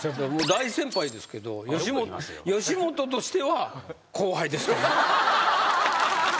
大先輩ですけど吉本としては後輩ですから。